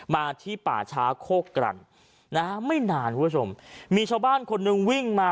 มาที่ป่าช้าโคกรันนะฮะไม่นานคุณผู้ชมมีชาวบ้านคนหนึ่งวิ่งมา